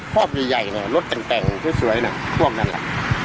ข้อมือใหญ่นะรถแข็งแกร่งดูแลหน่อยพวกนั้นล่ะ